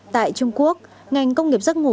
tại trung quốc ngành công nghiệp giấc ngủ